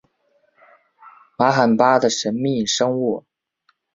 玛罕巴的神秘生物。